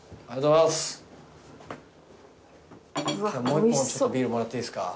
もう１本ちょっとビールもらっていいですか？